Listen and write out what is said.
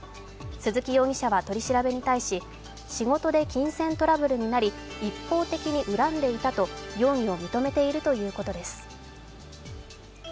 鈴木容疑者は取り調べに対し、仕事で金銭トラブルになり一方的に恨んでいたと容疑を認めているということです。